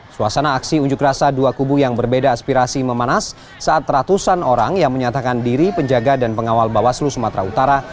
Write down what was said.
suasana aksi unjuk rasa dua kubu yang berbeda aspirasi memanas saat ratusan orang yang menyatakan diri penjaga dan pengawal bawaslu sumatera utara